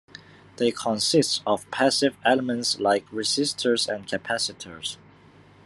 They consist of passive elements like resistors and capacitors.